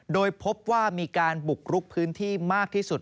โดยพบว่ามีการบุกรุกพื้นที่มากที่สุด